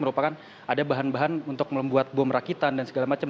merupakan ada bahan bahan untuk membuat bom rakitan dan segala macam